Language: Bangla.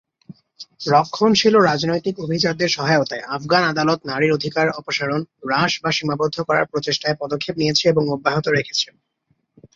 রক্ষণশীল ও রাজনৈতিক অভিজাতদের সহায়তায়, আফগান আদালত নারীর অধিকার অপসারণ, হ্রাস বা সীমাবদ্ধ করার প্রচেষ্টায় পদক্ষেপ নিয়েছে এবং অব্যাহত রেখেছে।